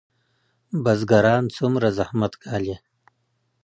بزګران څومره زحمت ګالي؟